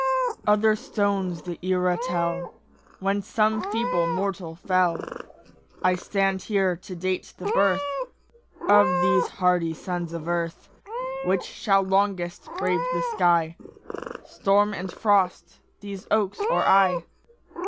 Other stones the era tell When some feeble mortal fell; I stand here to date the birth Of these hardy sons of earth. Which shall longest brave the sky, Storm and frost these oaks or I?